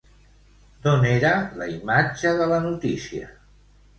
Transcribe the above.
D'on era la imatge de la notícia?